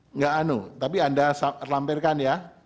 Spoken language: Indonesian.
enggak anu tapi anda lampirkan ya